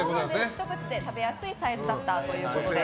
ひと口で食べやすいサイズだったということです。